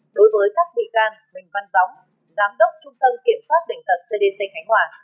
đối với các vị can bình văn gióng giám đốc trung tâm kiểm soát bình tật cdc khánh hòa